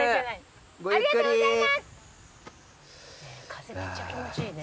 風めっちゃ気持ちいいね。